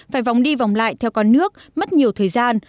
phải vòng đi vòng lại theo con nước mất nhiều thời gian